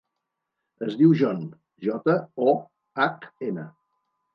Es diu John: jota, o, hac, ena.